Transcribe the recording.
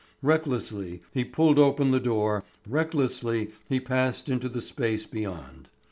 Recklessly he pulled open the door, recklessly he passed into the space beyond.